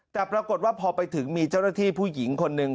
แต่ปรากฏว่าพอไปถึงมีเจ้าหน้าที่ผู้หญิงคนหนึ่ง